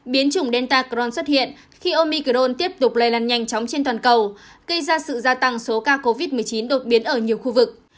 biến chủng delta cron xuất hiện khi omicron tiếp tục lây lan nhanh chóng trên toàn cầu gây ra sự gia tăng số ca covid một mươi chín đột biến ở nhiều khu vực